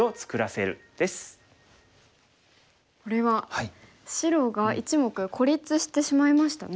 これは白が１目孤立してしまいましたね。